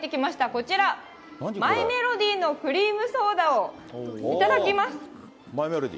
こちら、マイメロディのクリームソーダを頂きます。